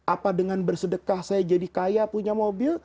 apa dengan bersedekah saya jadi kaya punya mobil